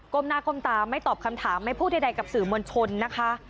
หน้าก้มตาไม่ตอบคำถามไม่พูดใดกับสื่อมวลชนนะคะ